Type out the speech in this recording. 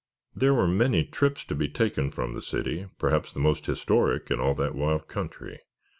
There were many trips to be taken from the city, perhaps the most historic in all that wild country.